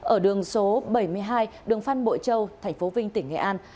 ở đường số bảy mươi hai đường phan bội châu tp vinh tỉnh nghệ an